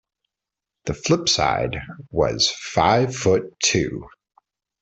The flip side was "Five Foot Two".